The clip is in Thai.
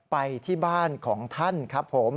ไปที่บ้านของท่านครับผม